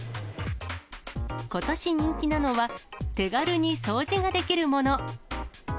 ことし人気なのは、手軽に掃除ができるもの。